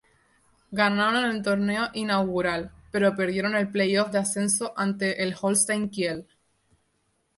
Ganaron el torneo inaugural, pero perdieron el play-off de ascenso ante el Holstein Kiel.